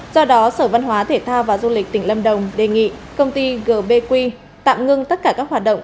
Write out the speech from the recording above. do đó sở văn hóa thể thao và du lịch tỉnh lâm đồng đề nghị công ty gbq tạm ngưng tất cả các hoạt động